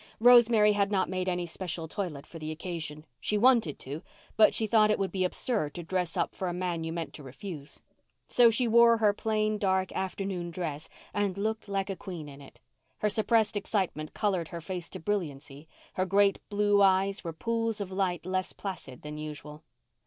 Rosemary had not made any special toilet for the occasion; she wanted to, but she thought it would be absurd to dress up for a man you meant to refuse. So she wore her plain dark afternoon dress and looked like a queen in it. Her suppressed excitement coloured her face to brilliancy, her great blue eyes were pools of light less placid than usual.